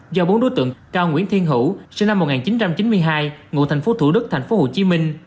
do bốn đối tượng cao nguyễn thiên hữu sinh năm một nghìn chín trăm chín mươi hai ngụ thành phố thủ đức tp hcm